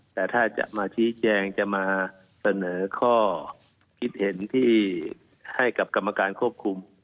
แต่ถ้าจะมาชี้แจงจะมาเสนอข้อคิดเห็นที่ให้กับกรรมการควบคุม